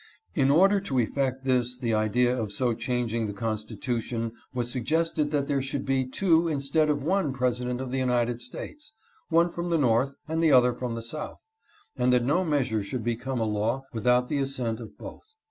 In order to effect this the idea of so changing the Constitution was suggested that there should be two instead of one President of the United States — one from the North and the other from the South — and that no measure should become a law without the assent of both.